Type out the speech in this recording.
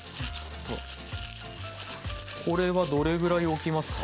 これはどれぐらいおきますか？